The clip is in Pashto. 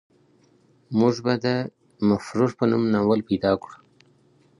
موږ به د مفرور په نوم ناول پیدا کړو.